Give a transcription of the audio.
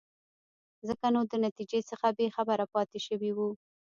ځکه نو د نتیجې څخه بې خبره پاتې شوی وو.